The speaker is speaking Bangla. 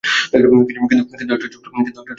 কিন্তু একটু চুপচাপ করলে ভালো হয় না?